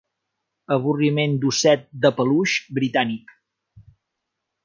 Avorriment d'osset de peluix britànic.